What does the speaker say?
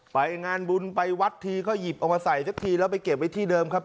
ไปงานบุญไปวัดทีก็หยิบเอามาใส่สักทีแล้วไปเก็บไว้ที่เดิมครับ